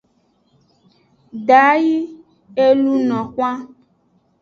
Da yi e luno xwan.